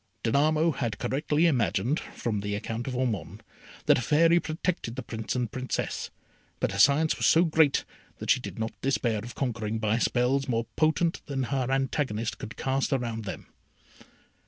Danamo had correctly imagined, from the account of Ormond, that a Fairy protected the Prince and Princess; but her science was so great, that she did not despair of conquering, by spells more potent than her antagonist could cast around them.